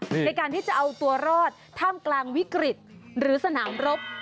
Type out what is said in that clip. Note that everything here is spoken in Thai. ในการที่จะเอาตัวรอดท่ามกลางวิกฤตหรือสนามรบ